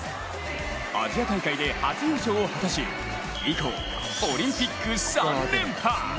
アジア大会で初優勝を果たし以降、オリンピック３連覇。